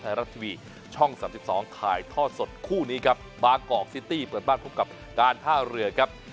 ไทยรัฐทีวีช่อง๓๒ถ่ายทอดสดคู่นี้ครับบางกอกซิตี้เปิดบ้านพบกับการท่าเรือครับ